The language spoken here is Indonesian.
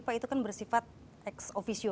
pak itu kan bersifat ex officio